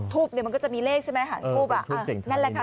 เนี่ยมันก็จะมีเลขใช่ไหมหางทูบอ่ะนั่นแหละค่ะ